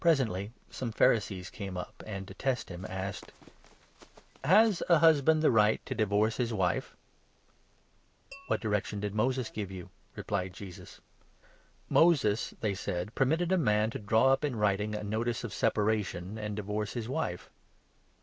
Presently some Phari 2 sees came up and, to test him, asked :" Has a husband the right to divorce his wife ?"" What direction did Moses give you ?" replied Jesus. 3 " Moses," they said, " permitted a man to ' draw up in writ 4 ing a notice of separation and divorce his wife.